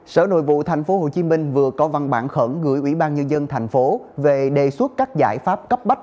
sở nội vụ tp hcm vừa có văn bản khẩn gửi ủy ban nhân dân tp về đề xuất các giải pháp cấp bách